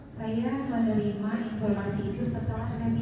saya menerima informasi itu setelah saya di jepang ya